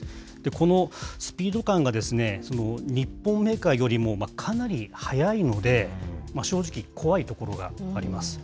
このスピード感が日本メーカーよりもかなり速いので、正直、怖いところがあります。